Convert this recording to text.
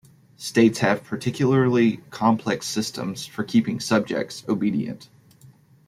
States have particularly complex systems for keeping subjects obedient.